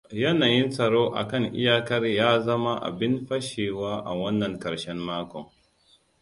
Yanayin tsaro a kan iyakar ya zama abin fashewa a wannan karshen mako.